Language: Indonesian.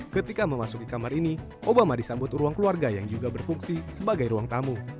ketika memasuki kamar ini obama disambut ruang keluarga yang juga berfungsi sebagai ruang tamu